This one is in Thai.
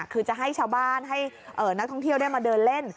คือจะให้ชาวบ้านให้นักท่องเที่ยวได้มาเดินเล่น